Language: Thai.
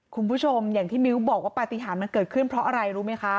คุณผู้ชมอย่างที่มิ้วบอกว่าปฏิหารมันเกิดขึ้นเพราะอะไรรู้ไหมคะ